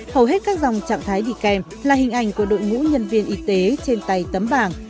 hầu hết các dòng trạng thái đi kèm là hình ảnh của đội ngũ nhân viên y tế trên tay tấm bảng